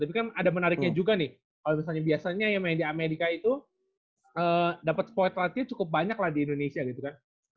tapi kan ada menariknya juga nih kalo biasanya yang main di amerika itu dapet spoiler ratinya cukup banyak lah di indonesia gitu kan